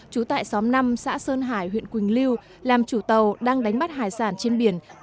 trú tại xóm năm xã sơn hải huyện quỳnh lưu làm chủ tàu đang đánh bắt hải sản trên biển